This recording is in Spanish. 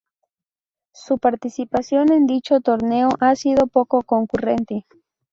Su participación en dicho torneo ha sido poco concurrente.